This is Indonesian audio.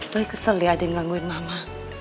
tapi kesel ya ada yang gangguin mama